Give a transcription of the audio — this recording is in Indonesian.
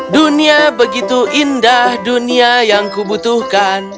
dunia begitu indah dunia yang kubutuhkan